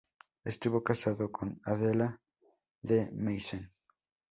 Estuvo casado con Adela de Meissen.